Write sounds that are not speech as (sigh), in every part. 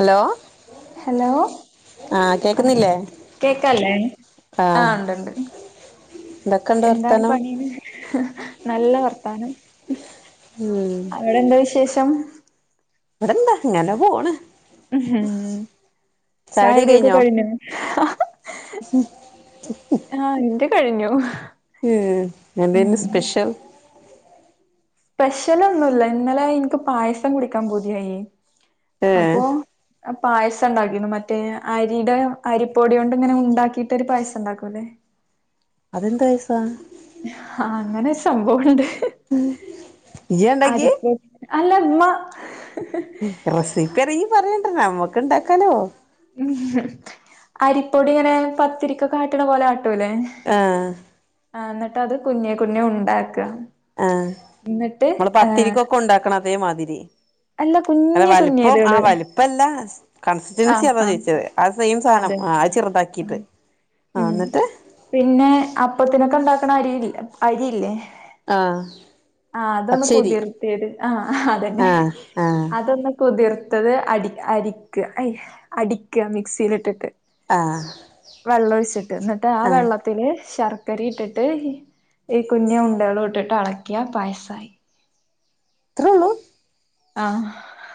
Hello hello ആഹ് കേക്കുന്നില്ലേ കേക്കാല്ലേ ആഹ് ഉണ്ട്ണ്ട് എന്തൊക്കെണ്ട് എന്താണ് വർത്താനം പണി നല്ല വർത്താനം ഉം അവിടെ എന്താ വിശേഷം ഇവിടെ എന്താ ഇങ്ങനെ പോണ് ഉം ചായകുടിയൊക്കെ കഴിഞ്ഞോ ആഹ് എന്റെ കഴിഞ്ഞു ഉം എന്ത ഉം ഇന്ന് സ്പെഷൽ സ്പെഷ്യല് ഒന്നുമില്ല ഇന്നലെ എനിക്ക് പായസം കുടിക്കാൻ കൊതിയായി ഏഹ് അപ്പൊ പായസം ഉണ്ടാക്കിരുന്നു മറ്റേ അരിയുടെ അരിപ്പൊടി കൊണ്ട് ഇങ്ങനെ ഉണ്ടാക്കിട്ടൊരു പായസം ഉണ്ടാക്കുല്ലേ അതെന്ത് പായസ ആഹ് അങ്ങനെയൊരു സംഭവുണ്ട് ഇയ്യാ ഇണ്ടാക്കിയേ അരിപ്പൊ അല്ലെ മ്മ റസിപ്പി അറിയാമെങ്കിൽ പറയണ്ടെ നമ്മക്ക് ഉണ്ടാക്കാലോ ഉം അരിപ്പൊടി ഇങ്ങനെ പത്തിരിക്കൊക്കെ ആട്ടണ പോലെ ആട്ടുല്ലേ ആഹ് ആഹ് എന്നിട്ട് അത് കുഞ്ഞേ കുഞ്ഞേ ഉണ്ടാക്കുക ആഹ് നമ്മള് പത്തിരിക്കൊക്കെ ഉണ്ടാക്കണ അതേമാതിരി അല്ല അത കുഞ്ഞ് വലിപ്പം ആ കുഞ്ഞേരുകള് വലിപ്പല്ല കൺസിസ്റ്റൻസി ആഹ് അതാ ആഹ് ചോയിച്ചത് ആഹ് സെയിം സാധനം ആഹ് അത് ചെറുതാക്കിട്ട് ആഹ് ഉം എന്നിട്ട് പിന്നെ അപ്പത്തിനൊക്കെ ഉണ്ടാക്കണ അരില്ലേ അരിയില്ലേ ആഹ് ആഹ് അതൊന്ന് പച്ചരി കുതിർത്തിയത് ആഹ് അതന്നെ ആഹ് ആഹ് അതൊന്ന് കുതിർത്തത് അടി അടിക്ക അടിക്കുക മിക്സിയിൽ ഇട്ടിട്ട് ആഹ് വെള്ളൊഴിച്ചിട്ട് എന്നിട്ട് ആ ആഹ് വെള്ള ത്തില് ശർക്കര ഇട്ടിട്ട് ഈ കുഞ്ഞ് ഉണ്ടകളും ഇട്ടിട്ട് എളക്കിയ പായസമായി ഇത്രെളളു ആഹ്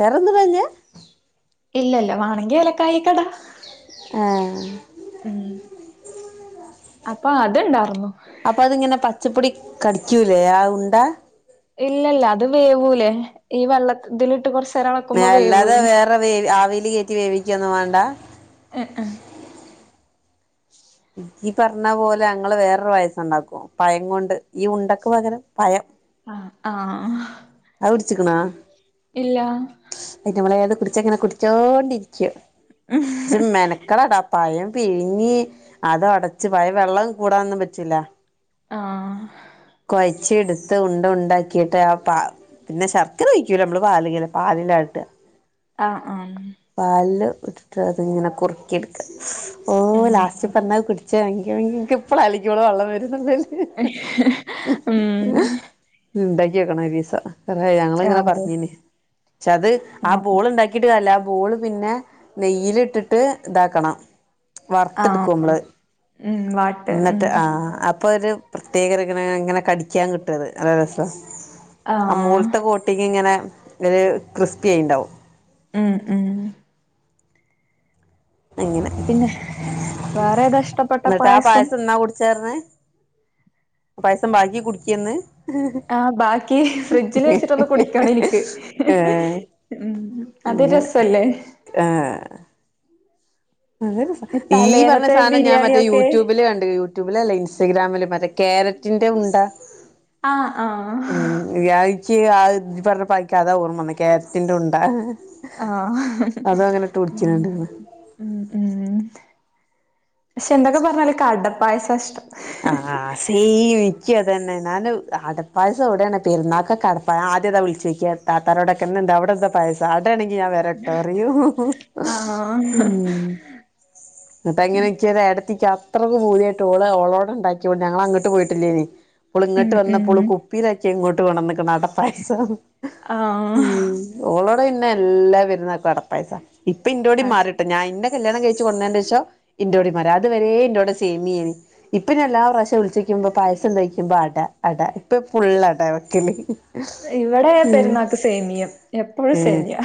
വേറൊന്നും ഇടാഞ്ഞേ ഇല്ല ഇല്ല വാണെങ്കി ഏലക്കായെക്കെ ഇടാം ആഹ് അപ്പൊ അത്ണ്ടാർന്നു അപ്പൊ അതിങ്ങനെ പച്ചപ്പൊടി കടിക്കൂലേ ആ ഉണ്ടാ ഇല്ലല്ല. അത് വേവൂലെ. ഈ വെള്ള ഇതിലിട്ട് കൊറച്ച് അല്ലാതെ വേറെ വേവി ആവില് കേറ്റി വേവിക്കൊന്നും വാണ്ട. എഹ് എഹ് ഈ പറഞ്ഞ പോലെ ഞങ്ങള് വേറൊരു പായസം ഇണ്ടാക്കും. പഴം കൊണ്ട് ഈ ഉണ്ടക്ക് പകരം പഴം. ആഹ് അത് കുടിച്ചിക്ക്ണാ. ഇല്ല ഔന്റെവെളേ അത് കുടിച്ചങ്ങനെ കുടിച്ചോണ്ടിരിക്ക്യും. ഇജ്ജ് മെന ക്കളടാ പയം പിഴിങ്ങി അത് ഒടച്ച് പയം വെള്ളം കൂടാനൊന്നും പറ്റില്ല. ആഹ് കൊഴച്ച് ഇടുത്ത് ഉണ്ട ഉണ്ടാക്കിയിട്ട് ആ പ പിന്നെ ശർക്കര ഒഴിക്കൂല. നമ്മള് പാല് ഇങ്ങനെ പാലിലാട്ട. ആഹ് ആഹ് പാലില് ഇട്ടിട്ട് അതിങ്ങനെ കുറുക്കി ഇടുക്കി ഓ ഉം ലാസ്റ്റ് തന്നത് കുടിച്ചാണെങ്കി ഇൻക്ക് ഇപ്പളും ആലോയ്ക്കുമ്പളും വെള്ളം വരുന്നു. ഉം ഉണ്ടാക്ക്യാേക്കണം ഒരീസം. ഞങ്ങള് ഇങ്ങനെ ആഹ് പറഞ്ഞീന്. പക്ഷെ അത് ആ ആഹ് ബോൾ ഇണ്ടാക്കി ക്കിട്ട് കാര്യല്ല. ആ ബോള് പിന്നെ നെയ്യിലിട്ടിട്ട് ഇതാക്കണം. വറ്ത്ത് ഇടുക്കും ആഹ് അമ്മള്. ഉം വാട്ട് ഉം ഇന്നട്ട് ആഹ് അപ്പൊ ഒര് പ്രത്യേകരങ്ങനെ ഇങ്ങനെ കടിക്കാൻ കിട്ടു അത്. നല്ല രസ. ആ ആഹ് മോൾത്തെ കോ ട്ടിങ്ങിങ്ങനെ ഒരു ക്രിസ്പിയായിണ്ടാവും. ഉം ഉം അങ്ങനെ. പിന്നെ വേറെ ഏതാ ഇഷ്ടപ്പെട്ട ഇന്നട്ട് ആ പായസം ഇന്നാ കുടിച്ചേ അർന്ന് ആ പായസം ബാക്കി കുടിക്ക്യെ ഇന്ന്. ആഹ് ബാക്കി ഫ്രിഡ്ജില് വെച്ചിട്ടൊന്ന് കുടിക്കണം എനിക്ക്. ഏഹ് ഉം അത് അങ്ങനെ രസല്ലെ ആഹ് അത് രസാ. ഈ പറഞ്ഞ തലേന്നത്തെ സാനം ഞാൻ മറ്റേ ബിരിയാണിയൊക്കെ യൂട്യൂബില് കണ്ട്. യൂട്യൂബിലല്ല ഇൻസ്റ്റാഗ്രാമില് മറ്റെ ക്ക്യേരറ്റിന്റെ ഉണ്ട ആഹ് ആഹ് ഉം. വ്യാഴിച്ച് ആഹ് ഇ പറഞ്ഞപ്പാരിക്ക് അതാ ഓർമ്മ വന്നെ. ക്ക്യേരറ്റിന്റെ ഉണ്ട. ആഹ് അതും അങ്ങനെ ഇട്ട് ഉം കുടിക്കുന്നുണ്ട് ഉം ഉം പക്ഷെ എന്തൊക്കെ പറഞ്ഞാലും ഇക്കടപ്പായസ ഇഷ്ടം. ആഹ്. ആഹ്. സെയിം. ഇക്ക്യും അതന്നെ. ഞാൻ അടപ്പായസം എവിടേണ് പെരുന്നാക്കൊക്കെ അടപ്പായ ഞാ ആദ്യതാണ് വിളിച്ചോയ്ക്ക താത്താരോടൊക്കെ ഇന്നെന്താ അവിടെന്ത പായസം. അടേണെങ്കി ഞാൻ വരാ രട്ടറിയൂ ആഹ് ഉം. ഇന്നട്ട് അങ്ങനെ ഇൻക്ക് ഒര് ഏട്ടത്തിക്ക് അത്രക്ക് പൂത്യായിട്ട് ഓള് ഓളോ ഉണ്ടാക്ക്യാേണ്ട്. ഞങ്ങളങ്ങട്ട് പോയിട്ടില്ലേനി. ഓള് ഉം ഇങ്ങട്ട് വന്നപ്പം ഓള് ഉം കുപ്പീലാക്കി അത് ഇങ്ങോട്ട് കൊണ്ടന്ന്ക്ക്ണ് അട പായസം. ആഹ് ഉം. ഓളോടെ പിന്നെ എല്ലാ പെരുന്നാക്കും അടപ്പായസ ഇപ്പ ഇന്റോടി മാറി ട്ടോ ഞാൻ ഇന്നെ കല്യാണം കഴിച്ച് കൊട്ന്നേന്റെഷം ഇന്റോടിം മാറി. അത് വരേ ഇന്റോടെ സേേമ്യനി. ഇപ്പന്നെ എല്ലാ പ്രാവശ്യം വിളിച്ചോയ്ക്കുമ്പൊ പായസം തയ്ക്കുമ്പോ അട. അട ഇപ്പ ഫുള്ള് അടാ വെക്കല്. ഇവെടെ പെരുന്നാക്ക് സേമിയം. എപ്പഴും സേമിയ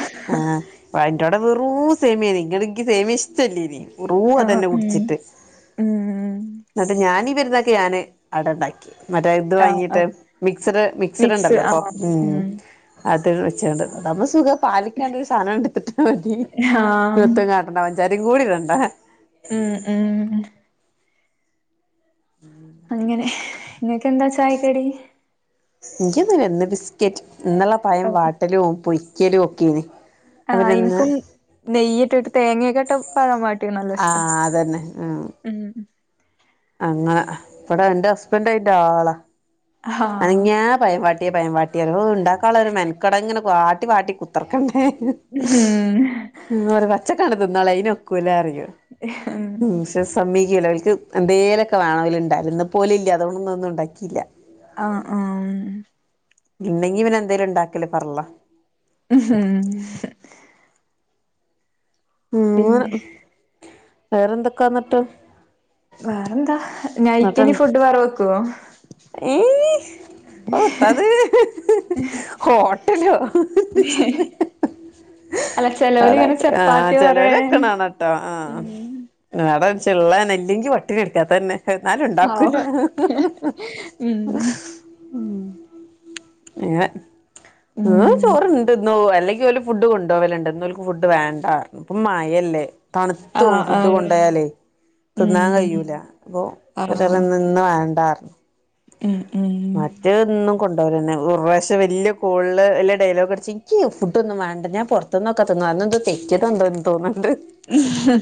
അപ്പ അയിന്റോടെ വെറും സേമിയേരുന്നു. ഇങ്ങട്ട് എനിക്ക് സേമിയം ഇഷ്ടല്ലേനി. വെറും ആഹ് അതന്നെ ഉം ഉം എന്നട്ട് ഞാനീ പെരുന്നാക്ക് ഞാന് അടണ്ടാക്കി മറ്റേ ഇത് ആഹ് വാങ്ങിട്ട് ആഹ് മിക്സഡ് മിക്സ് മിക്സഡ്ണ്ടല്ലോ അപ്പൊ ആഹ് ഉം അത് വെച്ചണ്ട് അതാകുമ്പോ സുഖ പാലിക്കാണ്ട് ഒരു സാനം എടുത്തിട്ടാ മതി ആഹ് പിന്നെത്തുക്കാ ണ്ട പഞ്ചാരി കൂടി ഇടണ്ടാ ഉം ഉം (inaudible) അങ്ങനെ ഇങ്ങക്കെന്താ ചായക്കടി ക്ക്ന്നുല്ല ഇന്ന് ബിസ്ക്കറ്റ് ഇന്നലെ പായം വാട്ടലും പൊയ്ക്കലും ഒക്കെന് ആഹ എനിക്കും നെയ്യയിട്ട് തേങ്ങക്കെട്ട പയം വട്ടിയ നല്ല ആ ഇഷ്ട അതന്നെ ഉം ഉം അങ്ങനെഇവിടെ ന്റെ ഹസ്ബൻറ്റ് ആയിറ്റ ആളാ ആഹ് അനങ്ങിയാ പയം പാട്ടിയ പയം പാട്ടിയ ഹ് ഇണ്ടാക്കാള്ള ഒരു മെൻക്കട അഹ് ഇങ്ങന വാട്ടി വാട്ടി കുത്തർക്കണ്ടേ മ് ഹ് ഉ ഇന്ന് ഒരു പച്ചക്കാണ്ട് ത്തിന്നാളെ അയി നൊക്കൂല്ല പറി ഞാൻ ഉം വിശോസ് സമ്മീക്കുല്ല ഓല്ക് എന്തേലൊക്കെ വേണ ഉണ്ടാ ഇന്ന് പ്പ ഓല് ഇല്ല അതുകൊണ്ടൊന്നും ഇണ്ടാക്കിയില്ല ആഹ് ആഹ് ഇണ്ടക്കി പിന്നെ എന്തേലും ഇണ്ടാക്കൽ ഫർള (unintelligible) ഇന്ന് പിന്നെ വേറെന്തൊക്കാന്നിട്ട് വേറെന്താ ന്ന്ട്ട് നൈറ്റിനി ഫുഡ് വേറെ വെക്കുവോ ഏയ് ഓത്തത് ഹോട്ടലോ അല്ല അട ചെലോലിങ്ങനെ ആഹ ചപ്പാത്തി ചെല്ലോൽ പറയ വക്ന ണട്ടോ ആഹ ഉം നട ചള്ളനെ ഇല്ലെങ്കി പട്ടിണി കടക്ക അതന്നെ എന്നാലും ഇണ്ടാക്കൂല അങ്ങനെ ന്ന് ചോറണ്ടന്നോ അല്ലെങ്കിൽ ഓല് ഫുഡ് കൊണ്ടോവൽട്ട് ഇന്ന് ഓല്ക് ഫുഡ് വേണ്ടപറന്നു ഇപ്പ മഴല്ലേ തണുതും പോകും ഫുഡ് കൊണ്ടയാലേ തിന്നാൻ കഴിയൂല അപ്പൊഒരാൾ ന്ന് ഇന്ന് വേണ്ടർന്നു ഉം ഉം മറ്റന്ന് കൊണ്ടവൽന്നെ ഒരു പ്രാവശ്യം വലിയ കോൾല് വല്ല ഡയലോഗ് അടിച്ചു ഇക് ഫുഡ് ഒന്നും വണ്ട ഞാൻ പുറത്ത് തിന്നോ ക്ക തിന്നോ അന്ന് എന്താ തെറ്റിയത് എന്ധോ തോന്നുണ്ട് ഹ് ഹ്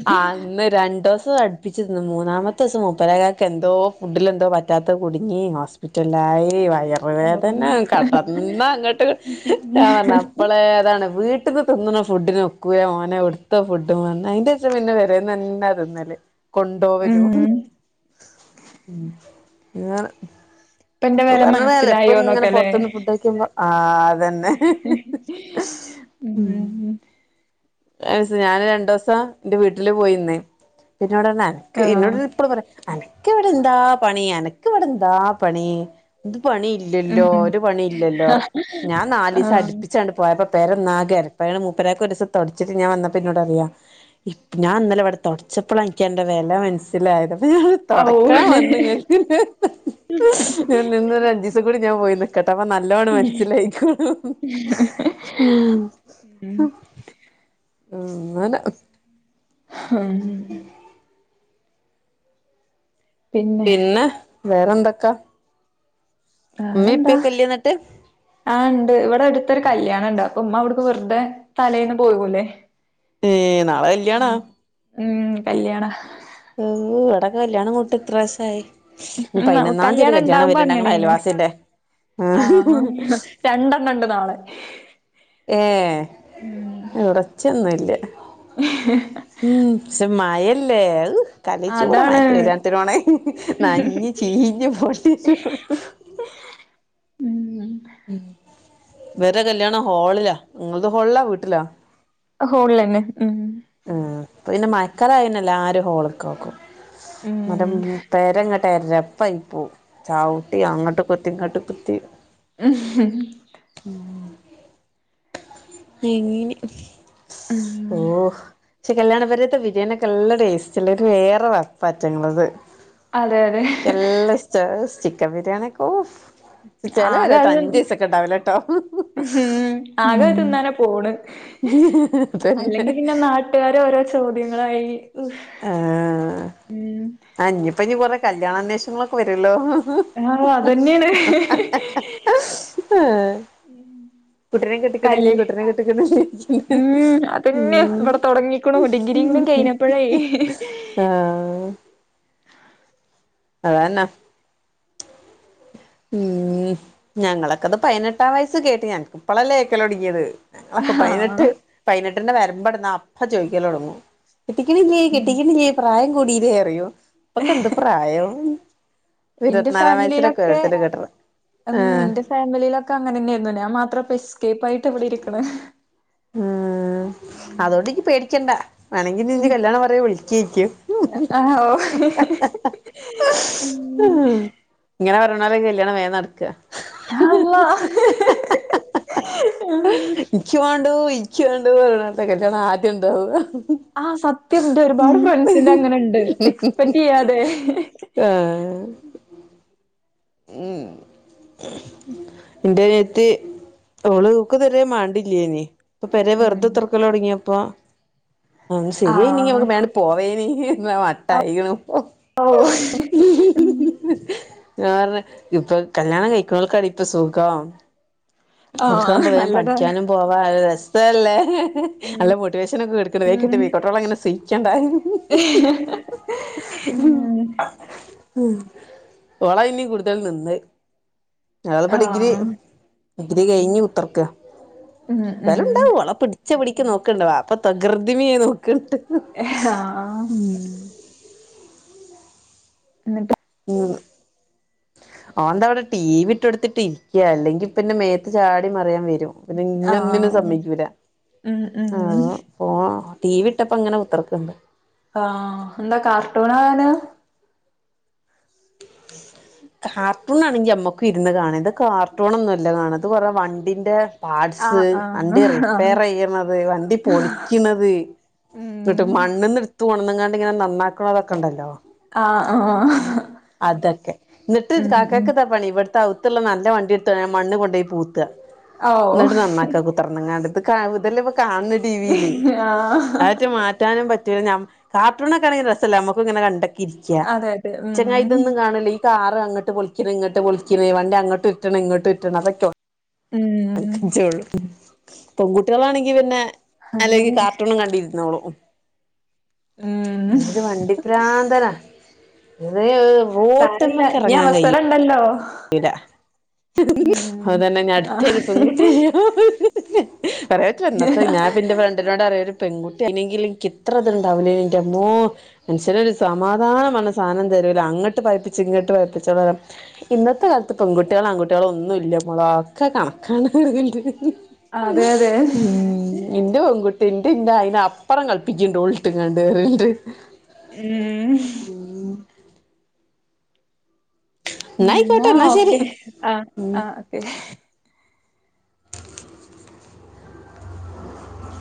ഇന്ന് രണ്ടു ദിവസം അടുപ്പിച്ചിരുന്നു മൂന്നാമ ത്തെ ദിവസം മുപ്പരേകക്ക് എന്തോ ഫുഡില എന്തോ പറ്റാത്ത കുടുങ്ങി ഹോസ്പിറ്റലിലായി വയർ വേദന കട്ടന്ന് അങ്ങോട്ട് ഞാൻ പറഞ്ഞ അപ്പളേ താണ് വീ ട്ട്ന്ന് തിന്നുന്ന ഫുഡിന് ഒക്കൂല്ല മോനെ എടുത്ത ഫുഡും വ അയിന്റെ ശേഷം പിന്നെ പെരെ ന്നെ തിന്നല് കൊണ്ടോവാലും ഉം ഇപ്പൊ എന്റെ പിന്നെ വില പറഞ്ഞണല്ല എപ്പഴും മനസ്സിലായോന്നൊക്കെ ഇങ്ങനെ അല്ലേ പൊറത്തന്ന് ഫുഡ്കഴികുമ്പോ ആഹ് അതന്നെ ഉം ഒരീസം ഞാന് രണ്ടു ദിവസം ന്റെ വീട്ടില് പോയിന്ന് അപ്പന്നെടർന്ന് അനക്ക് ആ ഇന്നോട് യെപ്പ പറി അനക്ക് വിടന്താ പണി അനക് വിടന്താ പണി ഇത് പണി ഇല്ല ഉം ഇല്ലല്ലോ ഒരു പണി ഇല്ലല്ലോ ഞാൻ നാല് ആ ദിവസം അടുപ്പിച്ചാണ് പോയപ്പോ പേര ഒന്നാകെഎരപ്പാ മുൂപ്പരക്ക ഒരുസംതൊടച്ചിട്ട് ഞാൻ വന്നപ്പോ ന്നോട്റിയാം ഇ ഞാൻ ഇന്നല ഇവിടെ തുടച്ചപ്പളാ എനിക്ക് അതിന്റെ വില മനസ് മനസ്സിലായത് പ്പൊ ഞാൻ ഓ തുടക്കാൻ വന്നു... (unintelligible) ഞാൻ പോയി.. കേട്ടപ്പോ നല്ലോണ് മനസ്സിലായിക്ണു, അങ്ങന്നാ ഹം പിന്നെ വേറെന്തൊക്കാ ഉമ്മീം വേറെന്താ ഇപ്പിയൊക്കെ ഇല്ലേ ന്നിട്ട് ആ ഉണ്ട് ഇവിടെ അടുത്തൊരു കല്യാണം ഉണ്ട് അപ്പൊ ഉമ്മ അവിടുക്ക് വെറുതെ തലേൽന്ന് പോകു ല്ലേ ഏ നാളെ കല്യാണ ഉം കല്യാണ ഇവിടെ കല്യാണം കൂട്ട് ഇത്ര മാസായി ഇനി ഉം പതിനൊന്നാം തീയതി ഒരു കല്യാണം ഇണ്ടാവുമ്പോ വരുന്നുണ്ട്നമ്മുടെ അങ്ങനേണ് അയൽവാസിന്റെ ആഹ് രണ്ടെണ്ണം ണ്ട് നാളെ ഏ ഉം ഉറച്ചൊന്നുംല്ല ഉം പക്ഷെ മയല്ലേ കലച്ചൂടെ അതാണ് മയത്ത് കല്യാണത്തിനണേ നഞ് ചീഞ്ഞ പൊട്ടിച്ചു ഉം ഇവരുടെ കല്യാണം ഹോളിലാ നിങ്ങത് ഹോളിലാ വീട്ടിലാ ഹോളില് തന്നെ ഉം ഉ പിന്നെ മയക്കാലായ എല്ലാരും ഹോളക്ക്കോക്കും മറ്റേ ഉം പേര (unintelligible) ചവിട്ടി അങ്ങോട്ട് കുത്തി ഇങ്ങോട്ട് കുത്തി (unintelligible) ഉം നെയ്മീൻ ഉം ഓ പക്ഷെ കല്യാണ പര്യത്തെ ബിരിയാണിക്കെ നല്ല ടേസ്റ്റ് ഉള്ള വേറെ വപ്പാറ്റങ്ങളത് അതെ അതെ നല്ല ഇഷ്ട ചിക്കൻ ബിരിയാണിക്കെ ഫ് ചെല ആകെ പെരേല്ലാതെ അത് ഉം അഞ്ചു വയസൊക്കെ ഉണ്ടാവലട്ടോ ഉ ആകെ അത് തിന്നാനാ പോണ് അല്ലെങ്കിൽ പിന്നെ നാട്ടുകാര ഓരോ ചോദ്യങ്ങളായി ആ ഉം അനിപ്പ ഇനി കൊറെ കല്യാണന്വേഷങ്ങളൊക്കെ വരുല്ലോ ആ അതന്നെയാണ് കുട്ടീനെ കല് കെട്ടിക്കണില്ലേ കുട്ടീനെ കെട്ടിക്കണില്ലേ ഉം അതന്നെ ഇവിടെ തുടങ്ങിക്കണോ ഡിഗ്രീ കഴിഞ്ഞ ഇപ്പോഴേ ആഹ് അതെന്നെ ഉം ഞങ്ങളൊക്കത് പതിനെട്ടാം വയസ്സ് കേട്ട് ഞനക്ക് ഇപ്പളല്ലേ കേക്കല്ലോ ഒടുങ്ങിയത് അപ്പൊ പതിനെട്ട് ആഹ് പതിനെട്ടിന്റെ വരുമ്പോടുന്നാ അപ്പ ചോദിക്കല്ല തുടങ്ങു കെട്ടിക്ണില്ലേ ഉം. കെട്ടിക്ണില്ലേ പ്രായം കൂടില്ലേ അറിയും ഇപ്പൊക്കെ എന്ത് പ്രായവും ഇന്റെ ഇരുപത്തിനാലാം വയസ്സിലൊക്കെ ഫാമിലിയിലൊക്കെ കെട്ടണ് ഉം ആഹ് നിന്റെ ഫാമിലിയിലൊക്കെ അങ്ങനെ തന്നെയായിരുന്നു ഞാൻ മാത്രം ഇപ്പ ഇ എസ്കേപ്പ ആയിട്ട് ഇവിടെ ഇരിക്കണ് ഉം അതോണ്ട്നി പേടിചണ്ട വേണെങ്കി നിന്റെ കല്യാണം പറയാ വിളിക്കയിക്കും ആഹ് ഓ ഉം ഇങ്ങനെ പറയണലെ കല്യാണം വേഗം നടക്ക അള്ളാ ഉം ഇക്ക് വേണ് ണ്ട് എനിക്ക് വേണ്ട് പറഞ്ഞിട്ട കല്യാണം ആദ്യം ഉണ്ടാവുക ആഹ് സത്യംന്റെ ഒരുപാട് ഫ്രണ്ട്സിന്റെ അങ്ങന്ണ്ട് എക്സ്പെക്ട് ചെയ്യാതെ ആഹ് ഉം എന്റെ അനിയത്തി ഓള് (unintelligible) ഇതുവരെ മാണ്ടില്ലേനി ഇപ്പൊ പെരെ ഉം വെറുതെ തൊറക്കല് തുടങ്ങിയപ്പോ ആഹ് (unintelligible) പോവേനി എന്നാ മട്ടായികണു ഇപ്പൊ ഓഹ് മസ് (unintelligible) ഞാൻ പറഞ്ഞു ഇപ്പൊ കല്യാണം കഴിക്കുന്നോൾക്കാടി ഇപ്പൊ സുഖം ആഹ് ഓൽക്കാവുമ്പോ വേം നല്ലതാ പഠിക്കാനും പോവാ രസമല്ലേ അല്ല മോട്ടിവേഷൻ ഒക്കെ കൊടുക്കണ വേക്കെട്ട് (unintelligible) അങ്ങനെ സുഖിക്കണ്ട ഏ ഉം ഓളാ ഇനി കടുതൽ നിന്നത് ഓളിപ്പൊഡിഗ്രി ആഹ് ഡിഗ്രി കഴിഞ്ഞു കുത്തിർക്ക ഉം ഉം ന്നാലും ഉണ്ടാവും ഓളെ പിടി ച്ചപിടിക്കക്ക് നോക്കണ്ട വാപ്പ തകൃതി (unintelligible) നോക്ക് ആഹ് ന്നിട്ട് ഉം ഓൻ്റ അവിടെ ടി വി ഇട്ട് കൊടുത്തിട്ടിരിക്കയാ അല്ലെങ്കി പിന്നെ മേത്ത് ചാടി മറിയാൻ വരും പിന്നെ ഇന്നി ഒന്നിനും ആഹ് സമ്മയ്ക്കൂല ഉം ഉം ആഹ് (unintelligible) ടി വി ഇട്ടപ്പോഇങ്ങനെ കുത്തിർക്കണ്ട് ആഹ് എന്താ കാർട്ടൂണ് കാണാനാ (inaudible) കാർട്ടൂൺ ആണെങ്കി നമ്മക്കും ഇരുന്ന് കാണ ഇത് കാർട്ടൂണൊന്നും അല്ല കാണ അത് കുറെ വണ്ടിന്റെ പാർട്സ് ആഹ് ആഹ് വണ്ടി ആഹ് റിപ്പയർ ചെയ്യുന്നത് വണ്ടി പൊളിക്കണത് ന്നിട്ട് ഉം മണ്ണണ്ന്ന് എടുത്ത കൊണ്ടന്നങ്ങാണ്ട് ഇങ്ങനെ നന്നാക്കണതൊക്കെ ഉണ്ടല്ലോ ആഹ് ആഹ് ഉം അതക്കെ എന്നിട്ട് ഉം ഉം കാക്കാക്കിത പണി ഇവിടുത്തെ അവ്ത്തുള്ള നല്ല വണ്ടി എടുത്തോണ്ട് മണ്ണ് കൊണ്ട് പോയി പൂത്ത്ക ന്നിട്ട് ഓഹ് നന്നാക്കാ കു (unintelligible) ങ്ങാണ്ടത് ഇതല്ലെ ഇപ്പ കാണുന്ന ടി വില് ആഹ് ന്നട്ട് മാറ്റാനും പറ്റൂല്ല ഞമ് കാർട്ടൂണൊക്കെയാണെങ്കിൽ രസല്ലെ നമ്മുക്കും ഇങ്ങെനെ കണ്ടെക്കെയിരിക്കാം അതെ അതെ ഉം ണല്ലോ ഈ കാറ് അങ്ങട്ട് പൊളിക്കണ ഇങ്ങോട്ട് പൊളിക്കണേ വണ്ടി അങ്ങട്ട് ഉരുട്ടണ് ഇങ്ങട്ട് ഉരുട്ടണ് അതൊക്കെയോ ഉം (unintelligible) ള്ളു പെൺകുട്ടികളാണെങ്കി പിന്നെ അല്ലെങ്കി അങ്ങനെ കാർട്ടൂണും കണ്ടിരുന്നോളും ഉം ഇത് വണ്ടി പ്രാന്തന ഇത് റോട്ട്മ്മേക്കെറങ്ങാൻ കയ്യ ണ്ടല്ലോ (unintelligible) അതന്നെ ഇനി അടുത്ത ആഹ് ഒരു പെൺകുട്ടിയായ (unintelligible) പറയാ (unintelligible) ഞാൻ പിന്നെ ഫ്രണ്ടിനോട് പറയും പെൺകുട്ടി ആണെങ്കില് എനിക്ക് ഇത്ര ഇത്ണ്ടാവില്ല എന്റമ്മോ മനുഷ്യന് ഒരു സമാധാനം പറഞ്ഞ സാധനം തരൂല അങ്ങോട്ട് പായിപ്പിച്ച് ഇങ്ങട്ട് പായിപ്പിച്ച- ഇന്നത്തെ കാലത്ത് പെൺകുട്ടികള് ആൺകുട്ടികള് ഒന്നും ഇല്ല മോളെ ഒക്കെ കണക്കാണ് അതെ അതെ ഇന്റെ പെൺകുട്ടി ഇന്റെ അല്ല അതിനെ അപ്പറം കളപ്പിക്കും - ഇട്ടും കണ്ടുവരണ്ട് ഉം ഉം എന്നാ എന്നായിക്കോട്ടെ ശരി ഓക്കെ ആഹ ആഹ്